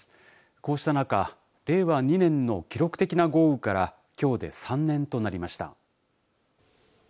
こうした中、令和２年の記録的な豪雨からきょうで３年となりました。